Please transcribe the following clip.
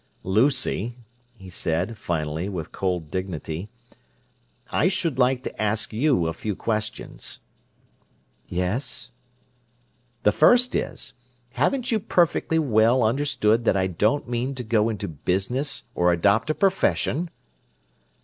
"Lucy," he said, finally, with cold dignity, "I should like to ask you a few questions." "Yes?" "The first is: Haven't you perfectly well understood that I don't mean to go into business or adopt a profession?"